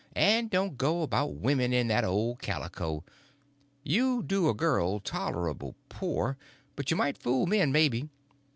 And don't go about women in that old calico. You do a girl tolerable poor, but you might fool men, maybe.